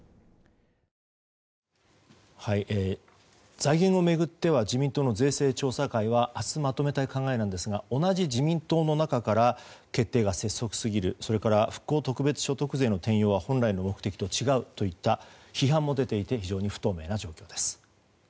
財源を巡っては自民党の税制調査会は明日まとめたい考えなんですが同じ自民党の中から決定が拙速すぎるそれから復興特別所得税の転用は本来の目的とは違うといった批判も出ていて非常に不透明な状況です。